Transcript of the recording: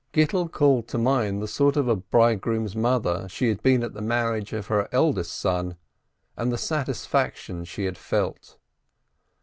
Gittel called to mind the sort of a bridegroom's mother she had been at the marriage of her eldest son, and the satisfaction she had felt.